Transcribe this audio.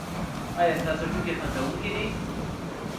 ایا ستاسو ټوکې خندونکې نه دي؟